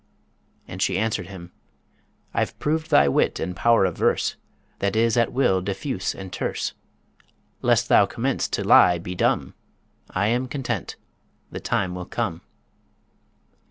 And she answered him: I've proved thy wit and power of verse, That is at will diffuse and terse: Lest thou commence to lie be dumb! I am content: the time will come!